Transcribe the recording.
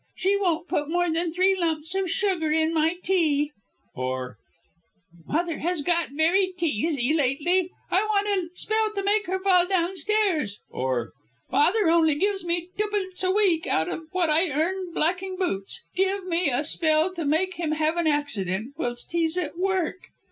She won't put more than three lumps of sugar in my tea;" or, "Mother has got very teazy lately. I want a spell to make her fall downstairs" or, "Father only gives me twopence a week out of what I earn blacking boots; give me a spell to make him have an accident whilst he's at work."